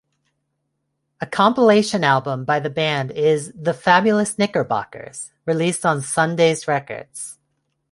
A compilation album by the band is "The Fabulous Knickerbockers", released on Sundazed Records.